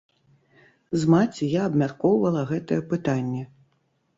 З маці я абмяркоўвала гэтае пытанне.